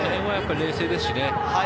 冷静でしたしね。